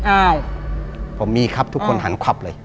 ผมมีครับทุกคนหันขวับเลย